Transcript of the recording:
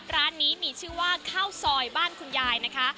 ร้านนี้มีชื่อว่าข้าวซอยบ้านคุณยายนะคะ